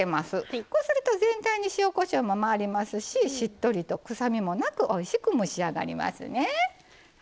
こうすると全体に塩・こしょうも回りますししっとりと臭みもなくおいしく蒸し上がりますね。